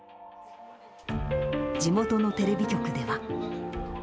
地元のテレビ局では。